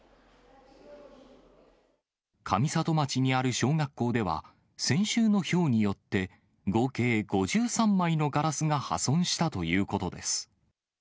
上里町にある小学校では、先週のひょうによって、合計５３枚のガラスが破損したということです。